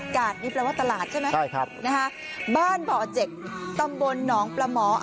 กาดนี่แปลว่าตลาดใช่ไหมใช่ครับนะฮะบ้านตำบลหนองประหมอ